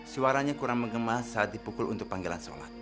suaranya kurang mengemas saat dipukul untuk panggilan sholat